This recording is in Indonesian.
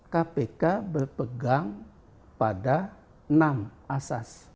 kpk berpegang pada enam asas